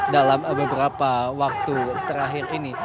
dalam beberapa waktu terakhir ini